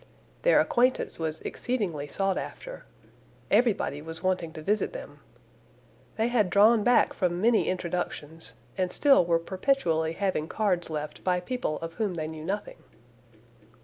Their acquaintance was exceedingly sought after. Everybody was wanting to visit them. They had drawn back from many introductions, and still were perpetually having cards left by people of whom they knew nothing.